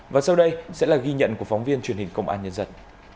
và sau đây sẽ là ghi nhận của phóng viên truyền hình công an nhân dân